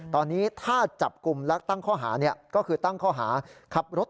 ตอนนี้ถ้าจับกลุ่มและตั้งข้อหา